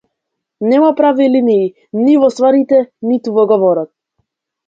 Нема прави линии, ни во стварите, ниту во говорот.